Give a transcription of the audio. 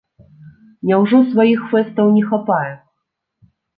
Няўжо сваіх фэстаў не хапае?